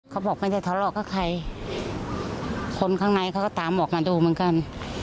เขาบอกไม่ได้ทะเลาะกับใครคนข้างในเขาก็ตามออกมาดูเหมือนกัน